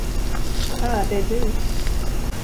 Ah, det är du!